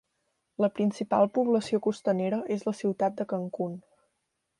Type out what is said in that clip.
La principal població costanera és la ciutat de Cancun.